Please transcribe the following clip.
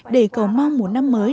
để cầu mong một năm mới